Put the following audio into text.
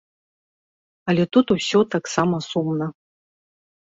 Але тут усё таксама сумна.